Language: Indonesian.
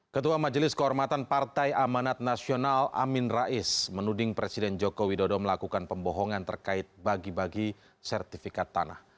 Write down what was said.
ketua majelis kehormatan partai amanat nasional amin rais menuding presiden joko widodo melakukan pembohongan terkait bagi bagi sertifikat tanah